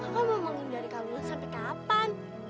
kakak mau menghindari kak luna sampai kapan